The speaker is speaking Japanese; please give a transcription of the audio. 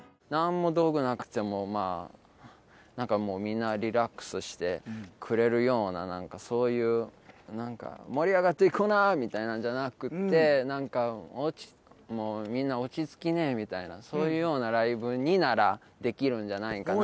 なんかもうみんなリラックスしてくれるようなそういうなんか「盛り上がっていこうな！」みたいなのじゃなくてなんかもう「みんな落ち着きねぇ」みたいなそういうようなライブにならできるんじゃないかな